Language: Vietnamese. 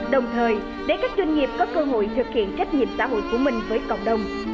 đồng thời để các doanh nghiệp có cơ hội thực hiện trách nhiệm xã hội của mình với cộng đồng